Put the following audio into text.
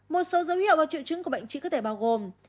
một số dấu hiệu và triệu chứng của bệnh chỉ có thể bao gồm